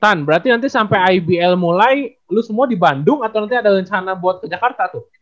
tan berarti nanti sampe ibl mulai lu semua di bandung atau nanti ada rencana buat jakarta tuh